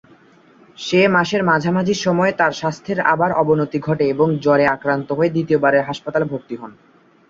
মে মাসের মাঝামাঝি সময়ে তার স্বাস্থ্যের আবার অবনতি ঘটে এবং জ্বরে আক্রান্ত হয়ে দ্বিতীয়বার হাসপাতালে ভর্তি হন।